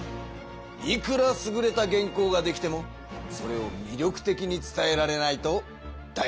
いくらすぐれた原稿ができてもそれをみりょくてきに伝えられないとだいなしだぞ。